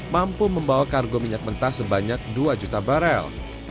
mampu membawa kargo minyak mentah sebanyak dua juta barel